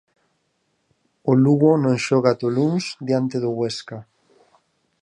O Lugo non xoga ata o luns diante do Huesca.